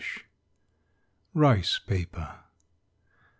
RICE PAPER.